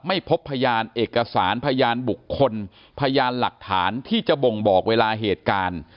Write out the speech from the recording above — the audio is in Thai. ไม่พบพยานเอกสารพยานบุคคลพยานหลักฐานที่จะบ่งบอกเวลาเหตุการณ์